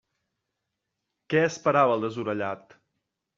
Què esperava el desorellat?